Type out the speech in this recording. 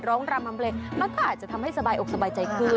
รำทำเพลงมันก็อาจจะทำให้สบายอกสบายใจขึ้น